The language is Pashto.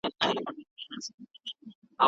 ناپوهي د ټولني د وروسته پاتې والي لامل ده.